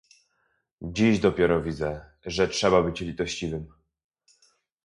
"Dziś dopiero widzę, że trzeba być litościwym."